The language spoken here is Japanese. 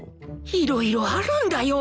いろいろあるんだよ！